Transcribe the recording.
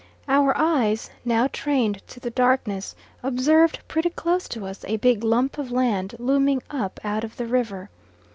Our eyes, now trained to the darkness, observed pretty close to us a big lump of land, looming up out of the river.